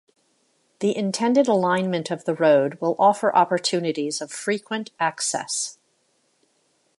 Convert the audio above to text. The intended alignment of the road will offer opportunities of frequent access.